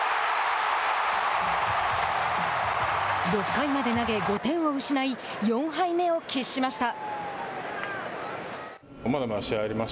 ６回まで投げ５点を失い４敗目を喫しました。